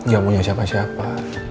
gak punya siapa siapa